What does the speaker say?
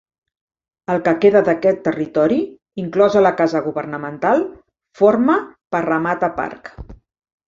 El que queda d'aquest territori, inclosa la Casa Governamental, forma Parramatta Park.